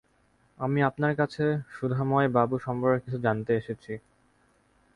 আমি আপনার কাছে সুধাময়বাবু সম্পর্কে কিছু জানতে এসেছি।